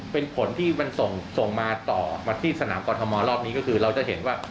เป็นผลที่มันส่งมาต่อมาที่สนามกรทมรอบนี้ก็คือเราจะเห็นว่า